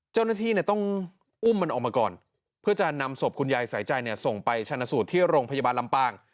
เจ้าหน้าที่ต้องอุ้มมันออกมาก่อนเพื่อจะนำศพคุณยายสายใจส่งไปชนะสูตรที่โรงพยาบาลลำปาง